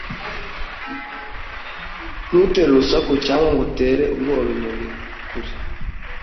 Ntutere urusaku cyangwa ngo utere ubwoba inyoni kure